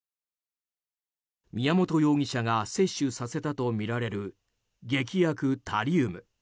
宮本容疑者が摂取させたとみられる劇薬タリウム。